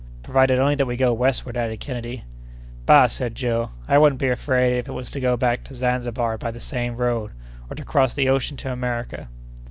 "Provided only that we go westward," added Kennedy. "Bah!" said Joe; "I wouldn't be afraid if it was to go back to Zanzibar by the same road, or to cross the ocean to America."